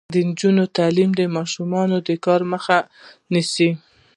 د نجونو تعلیم د ماشوم کار مخه نیسي.